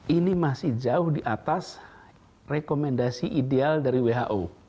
ini masih jauh di atas rekomendasi ideal dari who